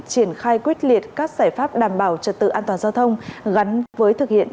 triển khai quyết liệt các giải pháp đảm bảo trật tự an toàn giao thông gắn với thực hiện